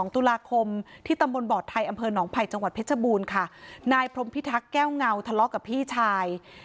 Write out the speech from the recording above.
ตุลาคมที่ตำบลบอดไทยอำเภอหนองไผ่จังหวัดเพชรบูรณ์ค่ะนายพรมพิทักษ์แก้วเงาทะเลาะกับพี่ชาย